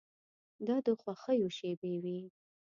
دا د خوښیو شېبې وې.